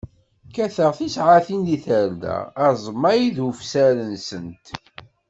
Kkateɣ d tisaɛtin di tarda, aẓmay d ufsar-nsent.